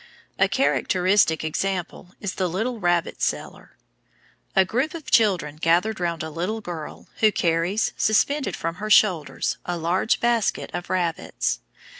A characteristic example is the Little Rabbit Seller. A group of children gather round a little girl, who carries, suspended from her shoulders, a large basket of rabbits.